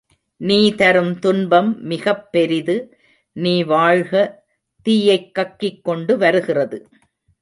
நீ தரும் துன்பம் மிகப் பெரிது நீ வாழ்க தீயைக் கக்கிக்கொண்டு வருகிறது.